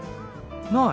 ない。